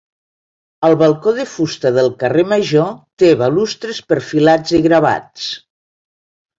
El balcó de fusta del carrer major té balustres perfilats i gravats.